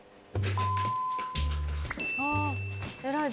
あっ偉い！